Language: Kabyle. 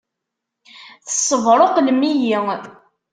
Tessebṛuqlem-iyi!